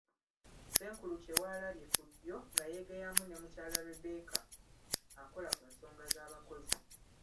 Ssenkulu Kyewalabye (ku ddyo) nga yeegeyamu ne Mukyala Rebecca akola ku nsonga z’abakozi.